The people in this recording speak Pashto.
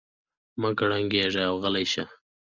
مه کړنګېږئ او غلي شئ.